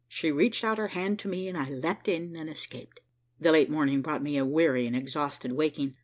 She reached out her hand to me. I leaped in and escaped. The late morning brought me a weary and exhausted waking.